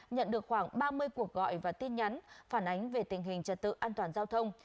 nhận được khoảng ba mươi cuộc gọi và tin nhắn phản ánh về tình hình trật tự an toàn giao thông